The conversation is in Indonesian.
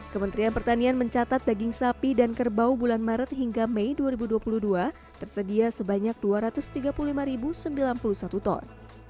kementerian pertanian mencatat daging sapi dan kerbau bulan maret hingga mei dua ribu dua puluh dua tersedia sebanyak dua ratus tiga puluh lima sembilan puluh satu ton